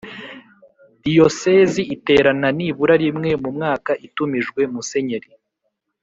Diyosezi Iterena Nibura Rimwe Mu Mwaka Itumijwe musenyeri